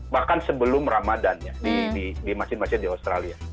bahkan sebelum ramadannya di masjid masjid di australia